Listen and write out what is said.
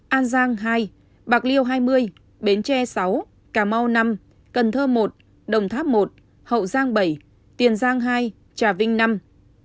an giang hai bạc liêu hai mươi bến tre sáu cà mau năm cần thơ một đồng tháp một hậu giang bảy tiền giang hai trà vinh năm